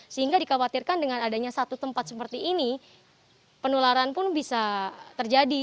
sehingga dikhawatirkan dengan adanya satu tempat seperti ini penularan pun bisa terjadi